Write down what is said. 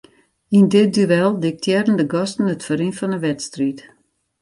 Yn dit duel diktearren de gasten it ferrin fan 'e wedstriid.